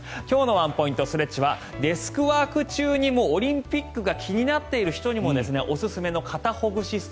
今日のワンポイントストレッチはデスクワーク中にもオリンピックが気になっている人にもおすすめの肩ほぐし